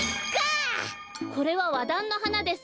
これはワダンのはなです。